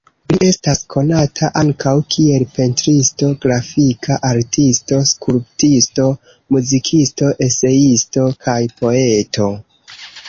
Li estas konata ankaŭ kiel pentristo, grafika artisto, skulptisto, muzikisto, eseisto kaj poeto.